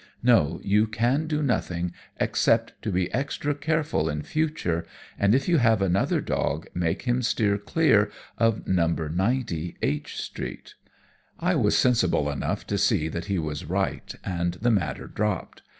No, you can do nothing except to be extra careful in future, and if you have another dog make him steer clear of No. 90 H Street.' "I was sensible enough to see that he was right, and the matter dropped.